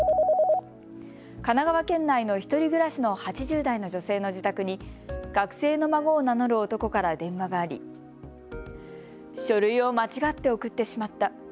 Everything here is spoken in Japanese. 神奈川県内の１人暮らしの８０代の女性の自宅に学生の孫を名乗る男から電話があり書類を間違って送ってしまった。